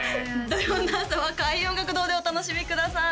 土曜の朝は開運音楽堂でお楽しみください